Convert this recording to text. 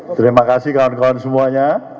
terima kasih kawan kawan semuanya